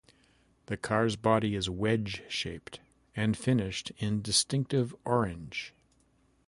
The car's body is wedge-shaped and finished in distinctive orange.